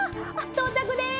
到着です。